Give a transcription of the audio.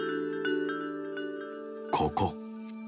ここ。